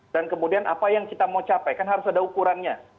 dan kemudian apa yang kita mau capai kan harus ada ukurannya